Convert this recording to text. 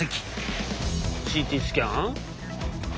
ＣＴスキャン？